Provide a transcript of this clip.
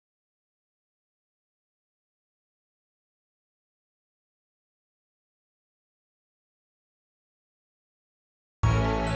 kenapa om irgendwann